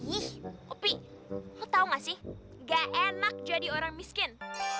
ih opi lu tau nggak sih nggak enak jadi orang miskin